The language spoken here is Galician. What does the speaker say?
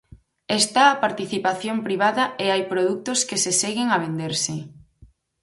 Está a participación privada e hai produtos que se seguen a venderse.